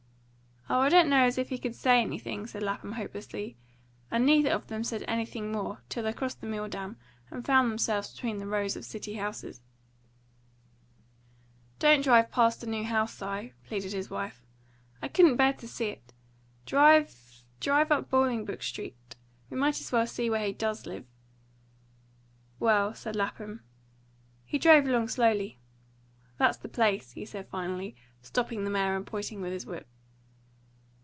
"Oh, I don't know as he could say anything," said Lapham hopelessly; and neither of them said anything more till they crossed the Milldam and found themselves between the rows of city houses. "Don't drive past the new house, Si," pleaded his wife. "I couldn't bear to see it. Drive drive up Bolingbroke Street. We might as well see where he DOES live." "Well," said Lapham. He drove along slowly. "That's the place," he said finally, stopping the mare and pointing with his whip.